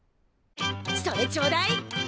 それちょうだい。